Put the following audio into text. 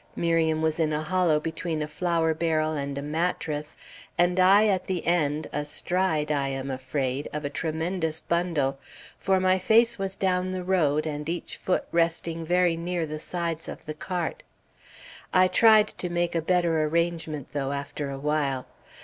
Miriam was in a hollow between a flour barrel and a mattress; and I at the end, astride, I am afraid, of a tremendous bundle, for my face was down the road and each foot resting very near the sides of the cart. I tried to make a better arrangement, though, after a while.